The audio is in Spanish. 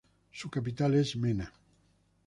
Su capital es Mena.